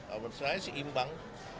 kalau menurut saya sih imbang